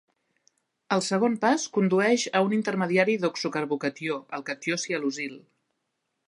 El segon pas condueix a un intermediari d'oxocarbocatió, el catió sialosyl.